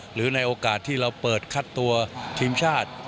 หรือในโอกาสที่เราเปิดคัดตัวทีมชาติ